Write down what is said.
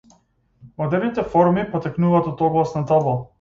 Модерните форуми потекнуваат од огласна табла.